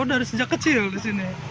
dari sejak kecil di sini